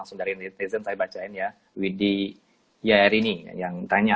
ada pertanyaan langsung dari netizen saya bacain ya widyi yarini yang tanya